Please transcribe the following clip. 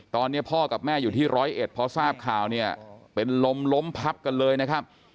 ตอนนี้พ่อกับแม่อยู่ที่ร้อยเอ็ดพอทราบข่าวเนี่ยเป็นลมล้มพับกันเลยนะครับ